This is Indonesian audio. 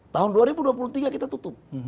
tahun dua ribu dua puluh tiga kita tutup